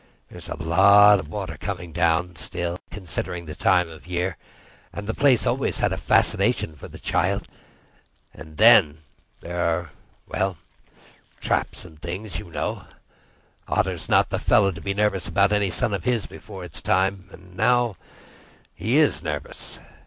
There's a lot of water coming down still, considering the time of the year, and the place always had a fascination for the child. And then there are—well, traps and things—you know. Otter's not the fellow to be nervous about any son of his before it's time. And now he is nervous.